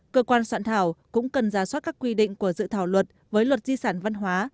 cơ quan soạn thảo cũng cần ra soát các quy định của dự thảo luật với luật di sản văn hóa